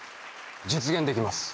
実現できます